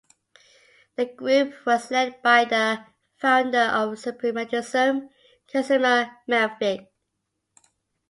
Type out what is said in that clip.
The group was led by the founder of Suprematism, Kazimir Malevich.